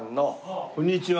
こんにちは。